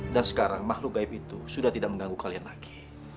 dan sekarang makhluk gaib itu sudah tidak mengganggu kalian lagi